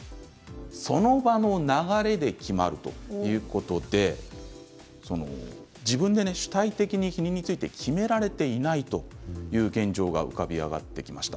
その場の流れで決まるということで自分で主体的に避妊について決められていないという現状が浮かび上がってきました。